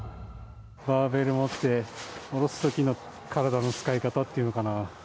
バーベル持って、おろすときの体の使い方っていうのかな。